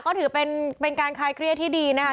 ก็ถือเป็นการคลายเครียดที่ดีนะคะ